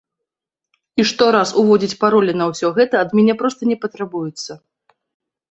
І штораз уводзіць паролі на ўсё гэта ад мяне проста не патрабуецца.